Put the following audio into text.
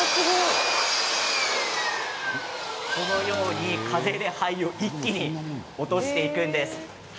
このように風で灰を一気に落としていきます。